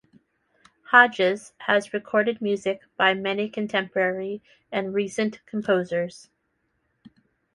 Hodges has recorded music by many contemporary and recent composers.